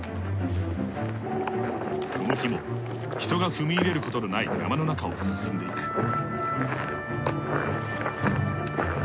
この日も人が踏み入れることのない山の中を進んでいく。